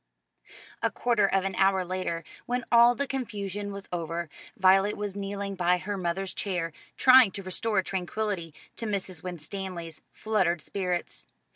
A quarter of an hour later, when all the confusion was over, Violet was kneeling by her mother's chair, trying to restore tranquillity to Mrs. Winstanley's fluttered spirits.